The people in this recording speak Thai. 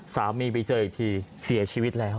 สามีไปเจออีกทีเสียชีวิตแล้ว